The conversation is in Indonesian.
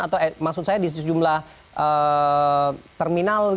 atau maksud saya di sejumlah terminal